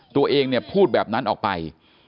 ตัวเองพูดแบบนั้นออกไป